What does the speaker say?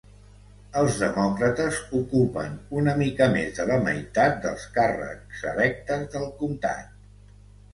Els demòcrates ocupen una mica més de la meitat dels càrrecs electes del comtat.